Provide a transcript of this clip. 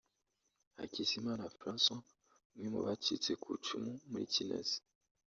Hakizimana François umwe mu bacitse ku icumu muri Kinazi